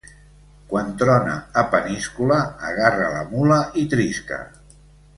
Quan trona a Peníscola, agarra la mula i trisca.